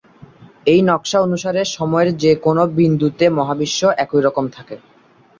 এই নকশা অনুসারে সময়ের যে কোন বিন্দুতে মহাবিশ্ব একইরকম থাকে।